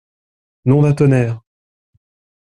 Nom d'un tonnerre!